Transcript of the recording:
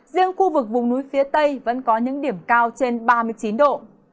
riêng khu vực vùng núi phía tây vẫn có những điểm cao trên ba mươi chín độ